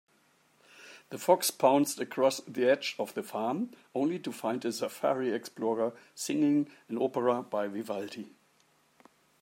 The fox pounced across the edge of the farm, only to find a safari explorer singing an opera by Vivaldi.